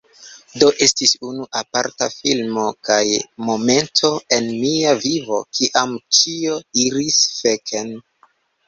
Do, estis unu aparta filmo kaj momento en mia vivo kiam ĉio iris feken